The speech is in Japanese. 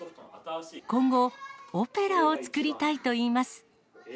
今後、オペラを作りたいといいます。